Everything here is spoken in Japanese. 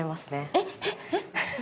えっえっえっ！